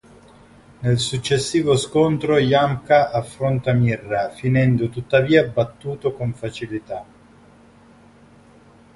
Nel successivo scontro Yamcha affronta Mirra, finendo tuttavia battuto con facilità.